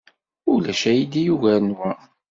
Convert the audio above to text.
Ulac aydi yugaren wa.